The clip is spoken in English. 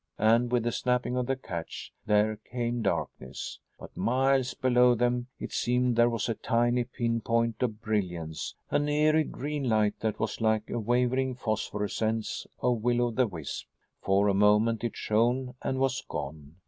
And, with the snapping of the catch, there came darkness. But, miles below them, it seemed, there was a tiny pin point of brilliance an eery green light that was like a wavering phosphorescence of will o' the wisp. For a moment it shone and was gone.